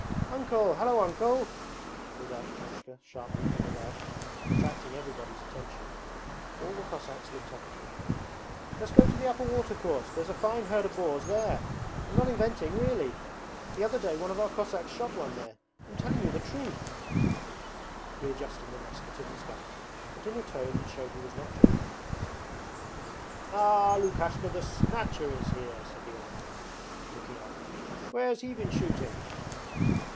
'Uncle! Hallo, Uncle!' called out Lukashka sharply from above, attracting everybody's attention. All the Cossacks looked up at him. 'Just go to the upper water course, there's a fine herd of boars there. I'm not inventing, really! The other day one of our Cossacks shot one there. I'm telling you the truth,' added he, readjusting the musket at his back and in a tone that showed he was not joking. 'Ah! Lukashka the Snatcher is here!' said the old man, looking up. 'Where has he been shooting?'